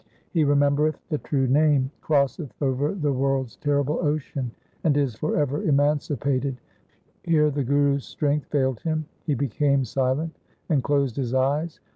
He remembereth the true Name, crosseth over the world's terrible ocean, and is for ever emancipated from its troubles.' Here the Guru's strength failed him. He became silent and closed his eyes.